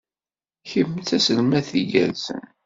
Kemm d taselmadt igerrzen!